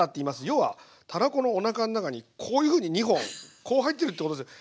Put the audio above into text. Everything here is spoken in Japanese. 要はたらこのおなかの中にこういうふうに２本こう入ってるってことですよ。